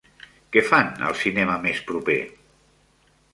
Què fan al cinema més proper